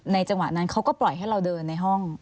จังหวะนั้นเขาก็ปล่อยให้เราเดินในห้อง